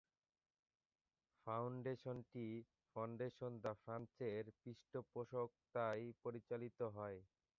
ফাউন্ডেশনটি ফন্ডেশন দ্য ফ্রান্সের পৃষ্ঠপোষকতায় পরিচালিত হয়।